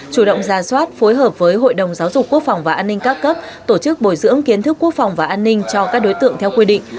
chủ động ra soát phối hợp với hội đồng giáo dục quốc phòng và an ninh các cấp tổ chức bồi dưỡng kiến thức quốc phòng và an ninh cho các đối tượng theo quy định